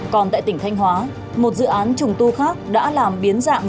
còn tại tỉnh thanh hóa một dự án trùng tu khác đã làm biến dạng